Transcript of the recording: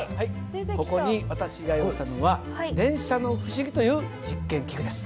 ここに私が用意したのは「電車のふしぎ」という実験器具です。